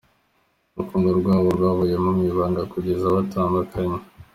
Urukundo rwabo rwabayeho mu ibanga kugeza batandukanye.